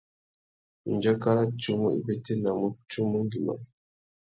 Ndjaka râ tsumu i bétēnamú tsumu ngüimá.